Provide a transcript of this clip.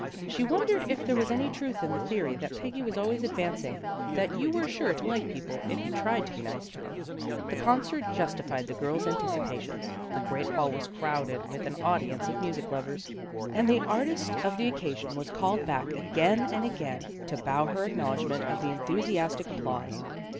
She wondered if there was any truth in the theory that Peggy was always advancing, that you were sure to like people if you tried to be nice to them. The concert justified the girls' anticipations. The great hall was crowded with an audience of music lovers, and the artist of the occasion was called back again and again, to bow her acknowledgement of the enthusiastic applause.